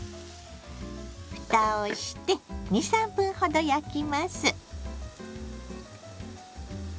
ふたをして２３分ほど焼きます。